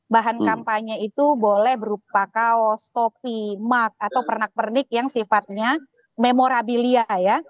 bahan kampanye itu boleh berupa kaos topi mark atau pernak pernik yang sifatnya memorabilia ya